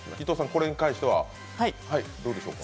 これに関してはいかがでしょうか？